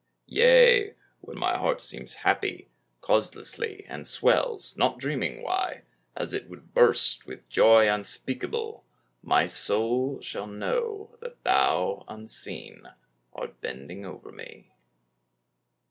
Yea, when my heart seems happy, causelessly And swells, not dreaming why, as it would burst With joy unspeakable my soul shall know That thou, unseen, art bending over me.